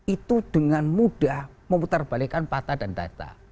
itu dengan mudah memutarbalikan pata dan data